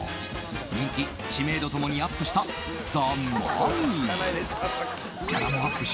人気、知名度共にアップしたザ・マミィ。